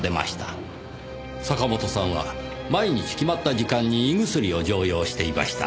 坂本さんは毎日決まった時間に胃薬を常用していました。